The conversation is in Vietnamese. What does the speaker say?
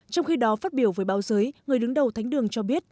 trong khi đó phát biểu với báo giới người đứng đầu thánh đường cho biết